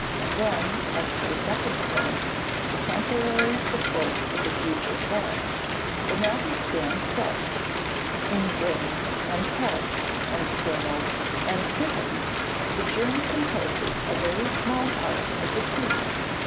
Then, as to the second point, the temporary support of the future plant, the matter stands thus. In grain, and pulse, and kernels, and pipins, the germ composes a very small part of the seed.